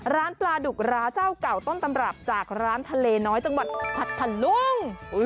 ร้านปลาดุกร้าเจ้าเก่าต้นตำรับจากร้านทะเลน้อยจังหวัดผัดคันลุง